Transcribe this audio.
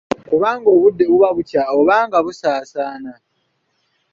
Kubanga obudde buba bukya oba nga busaasaana.